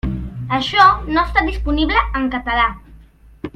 Això no està disponible en català.